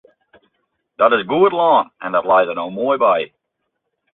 Dat is goed lân en dat leit der no moai by.